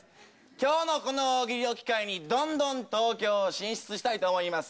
きょうのこの大喜利を機会に、どんどん東京進出したいと思います。